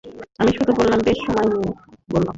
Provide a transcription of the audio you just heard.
আমি শুরু করলাম, বেশ সময় নিয়ে বললাম।